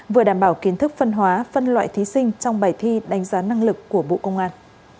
vừa đảm bảo kiến thức phân hóa phân loại thí sinh trong bài thi đánh giá năng lực của bộ công an